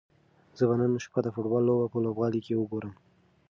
زه به نن شپه د فوټبال لوبه په لوبغالي کې وګورم.